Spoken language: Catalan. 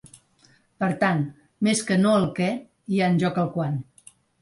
Per tant, més que no el què hi ha en joc el quan.